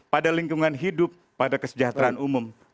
pada lingkungan hidup pada kesejahteraan umum